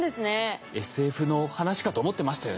ＳＦの話かと思ってましたよね。